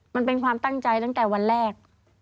มันเป็นความตั้งใจตั้งแต่วันแรก